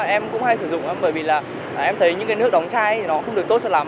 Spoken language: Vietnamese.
em cũng hay sử dụng bởi vì là em thấy những cái nước đóng chai thì nó không được tốt cho lắm